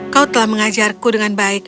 kau telah mengajarku dengan baik